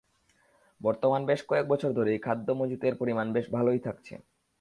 বর্তমানে বেশ কয়েক বছর ধরেই খাদ্য মজুতের পরিমাণ বেশ ভালোই থাকছে।